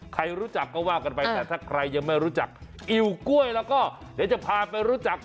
ใครรู้จักก็ว่ากันไปแต่ถ้าใครยังไม่รู้จักอิ่วกล้วยแล้วก็เดี๋ยวจะพาไปรู้จัก